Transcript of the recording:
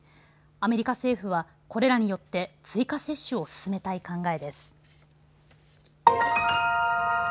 アメリカ政府は、これらによって追加接種を進めたい考えです。